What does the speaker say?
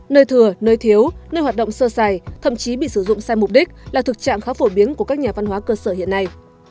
nơi thừa nơi thiếu nơi hoạt động sơ xài thậm chí bị sử dụng sai mục đích là thực trạng khá phổ biến của các nhà văn hóa cơ sở hiện nay